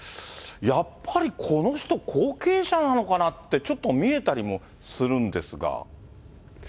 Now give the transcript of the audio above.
やっぱりこの人、後継者なのかなって、ちょっと見えたりもするんですが。